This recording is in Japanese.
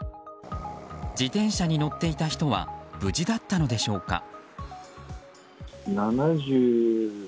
自転車に乗っていた人は無事だったのでしょうか？